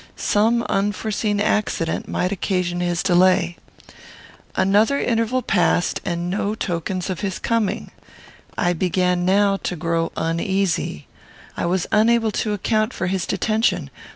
Some unforeseen accident might occasion his delay. Another interval passed, and no tokens of his coming. I began now to grow uneasy. I was unable to account for his detention.